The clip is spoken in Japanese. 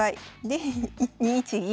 で２一銀。